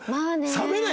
冷めない？